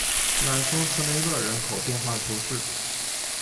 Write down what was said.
莱丰特内勒人口变化图示